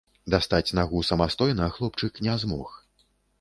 Дастаць нагу самастойна хлопчык не змог.